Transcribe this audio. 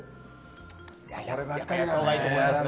いや、やったほうがいいと思いますね。